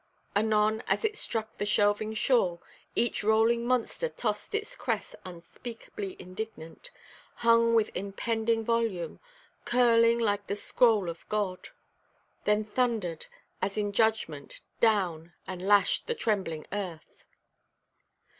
Anon, as it struck the shelving shore, each rolling monster tossed its crest unspeakably indignant; hung with impending volume, curling like the scroll of God; then thundered, as in judgment, down, and lashed the trembling earth.